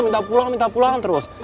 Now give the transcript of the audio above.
minta pulang minta pulang terus